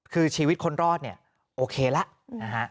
คือชีวิตคนรอดเนี่ยโอเคล่ะ